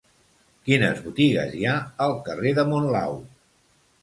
Quines botigues hi ha al carrer de Monlau?